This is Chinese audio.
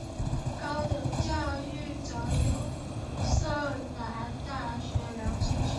高等教育则有和摄南大学两所大学。